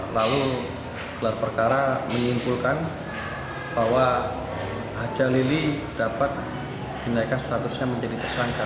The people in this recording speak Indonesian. lalu gelar perkara menyimpulkan bahwa haja lili dapat dinaikkan statusnya menjadi tersangka